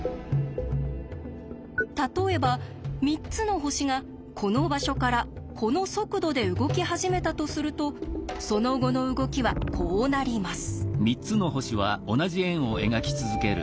例えば３つの星がこの場所からこの速度で動き始めたとするとその後の動きはこうなります。